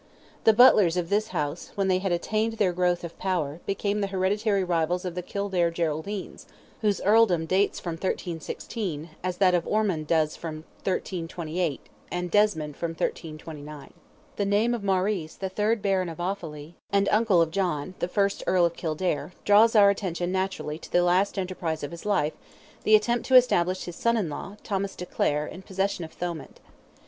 The Butlers of this house, when they had attained their growth of power, became the hereditary rivals of the Kildare Geraldines, whose earldom dates from 1316, as that of Ormond does from 1328, and Desmond from 1329. The name of Maurice, the third Baron of Offally, and uncle of John, the first Earl of Kildare, draws our attention naturally to the last enterprise of his life—the attempt to establish his son in law, Thomas de Clare, in possession of Thomond.